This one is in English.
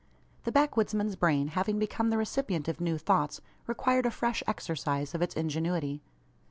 The backwoodsman's brain having become the recipient of new thoughts, required a fresh exercise of its ingenuity.